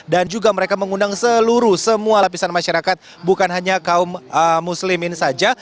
dan juga mereka mengundang seluruh semua lapisan masyarakat bukan hanya kaum muslim ini saja